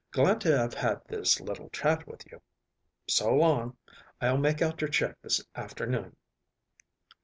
Glad to have had this little chat with you. So long. I'll make out your check this afternoon."